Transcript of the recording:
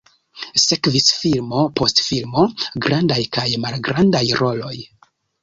Sekvis filmo post filmo, grandaj kaj malgrandaj roloj.